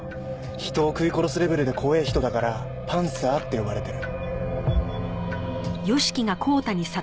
人を食い殺すレベルで怖え人だからパンサーって呼ばれてる。